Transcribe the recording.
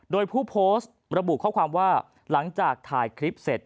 โดยผู้โพสต์ระบุข้อความว่าหลังจากถ่ายคลิปเสร็จ